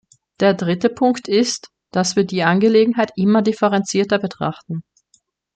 Der dritte Punkt ist, dass wir die Angelegenheit immer differenzierter betrachten.